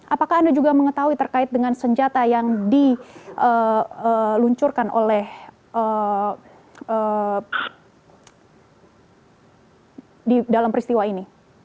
apakah anda juga mengetahui terkait dengan senjata yang diluncurkan oleh dalam peristiwa ini